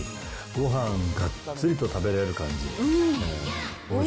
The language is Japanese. ごはんがっつりと食べられる感じ。